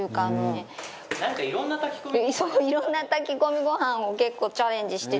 いろんな炊き込みご飯を結構チャレンジしてて。